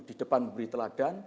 di depan memberi teladan